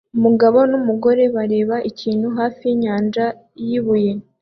Umugabo numugore bareba ikintu hafi yinyanja yibuye